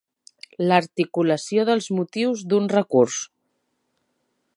L'articulació dels motius d'un recurs.